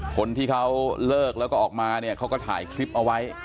คนที่เขาเลิกแล้วก็ออกมาเนี่ยเขาก็ถ่ายคลิปเอาไว้